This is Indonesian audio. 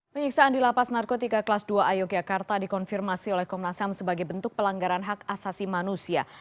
penyiksaan di lapas narkotika kelas dua a yogyakarta dikonfirmasi oleh komnas ham sebagai bentuk pelanggaran hak asasi manusia